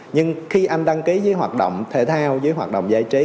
nhưng khi anh đăng ký với hoạt động thể thao dưới hoạt động giải trí